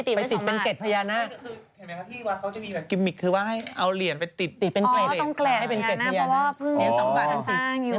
ที่วัดเค้าจะมีแบบกิมมิกคือว่าให้เอาเหรียญไปติดเป็นเกร็ดพญานาค